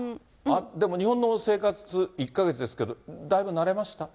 でも日本の生活、１か月ですけど、だいぶ慣れました？